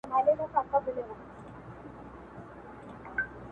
مرګ دی د زاړه او ځوان ګوره چي لا څه کیږي-